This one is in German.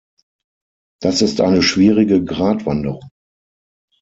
Das ist eine schwierige Gratwanderung.